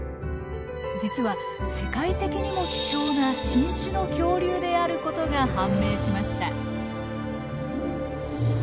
実は世界的にも貴重な新種の恐竜であることが判明しました。